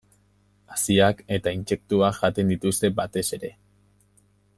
Haziak eta intsektuak jaten dituzte batez ere.